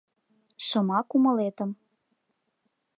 Шыма кумылетым